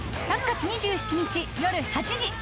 ３月２７日、夜８時。